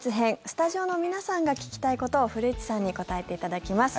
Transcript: スタジオの皆さんが聞きたいことを古市さんに答えていただきます。